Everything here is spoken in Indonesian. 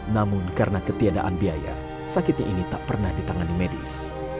namun karena ketiadaan biaya sakitnya ini tak pernah ditangani medis